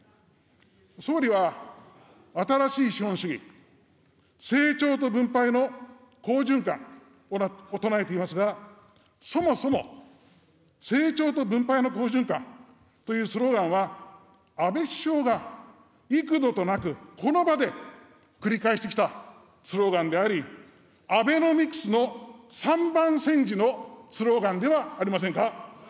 総理は、新しい資本主義、成長と分配の好循環を唱えていますが、そもそも、成長と分配の好循環というスローガンは、安倍首相が幾度となくこの場で繰り返してきたスローガンであり、アベノミクスの三番煎じのスローガンではありませんか。